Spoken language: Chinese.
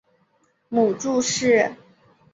母祝氏。